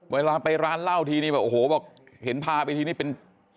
เวลาไปร้านเหล้าทีนี้แบบโอ้โหบอกเห็นพาไปทีนี้เป็น